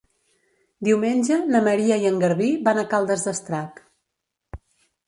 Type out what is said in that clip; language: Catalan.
Diumenge na Maria i en Garbí van a Caldes d'Estrac.